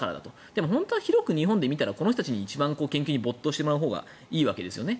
でも、広く日本で見たらこの人たちに一番研究に没頭してもらうほうがいいわけですよね。